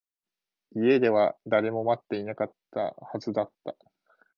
家では誰も待っていないはずだった